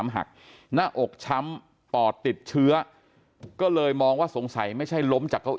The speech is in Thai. หักหน้าอกช้ำปอดติดเชื้อก็เลยมองว่าสงสัยไม่ใช่ล้มจากเก้าอ